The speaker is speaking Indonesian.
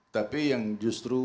tapi yang justru